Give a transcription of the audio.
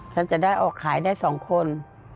ฉันจะได้ออกขายได้๒คน